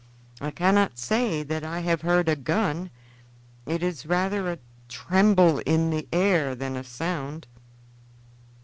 "I cannot say that I have heard a gun; it is rather a tremble in the air than a sound."